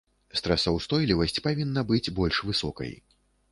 Стрэсаўстойлівасць павінна быць больш высокай.